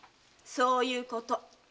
そういうこと。